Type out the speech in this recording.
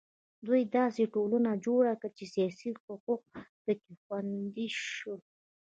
دوی داسې ټولنه جوړه کړه چې سیاسي حقوق په کې خوندي شول.